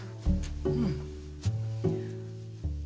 うん。